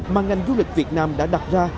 mà ngành du lịch việt nam đã đặt ra